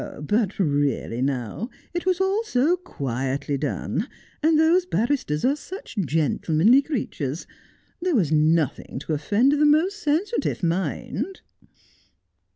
' But really, now ; it was all so quietly done, and those bar risters are such gentlemanly creatures. There was nothing to offend the most sensitive mind.'